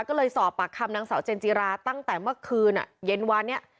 ก็เลยสอบปากคำนางสาวเจนจิราตั้งแต่เมื่อคืนเย็นวานเนี่ย